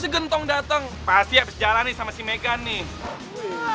gendong dateng pasti habis jalanin sama si megan nih